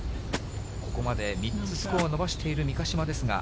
ここまで３つスコアを伸ばしている三ヶ島ですが。